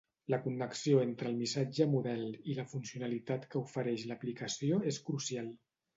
La connexió entre el missatge model i la funcionalitat que ofereix l'aplicació és crucial.